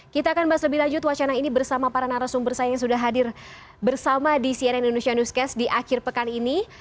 kita akan bahas lebih lanjut wacana ini bersama para narasumber saya yang sudah hadir bersama di cnn indonesia newscast di akhir pekan ini